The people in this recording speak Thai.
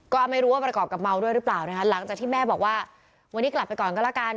ก็ไม่รู้ว่าประกอบกับเมาด้วยหรือเปล่านะคะหลังจากที่แม่บอกว่าวันนี้กลับไปก่อนก็แล้วกัน